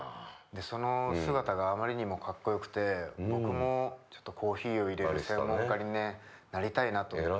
その姿があまりにもかっこよくて僕もちょっとコーヒーをいれる専門家にねなりたいなと思って。